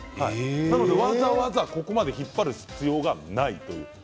わざわざ端まで引っ張る必要がない。